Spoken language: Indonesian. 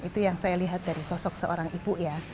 itu yang saya lihat dari sosok seorang ibu ya